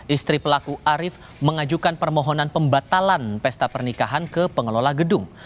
istri pelaku arief mengajukan permohonan pembatalan pesta pernikahan ke pengelola gedung